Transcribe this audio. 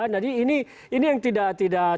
jadi ini yang tidak